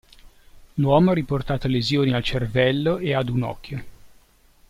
L'uomo ha riportato lesioni al cervello e ad un occhio.